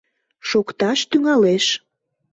Шокташ тӱҥалеш.